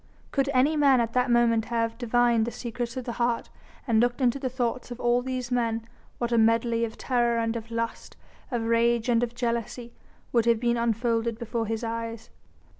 Could any man at that moment have divined the secrets of the heart and looked into the thoughts of all these men, what a medley of terror and of lust, of rage and of jealousy, would have been unfolded before his eyes.